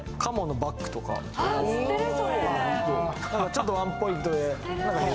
ちょっとワンポイントで。